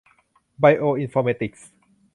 ไบโออินฟอร์เมติกส์